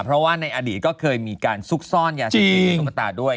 เพราะว่าในอดีตก็เคยมีการซุกซ่อนยาเสพติดในตุ๊กตาด้วย